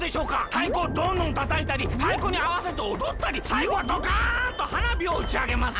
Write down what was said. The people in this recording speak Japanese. たいこをどんどんたたいたりたいこにあわせておどったりさいごはどかんとはなびをうちあげます。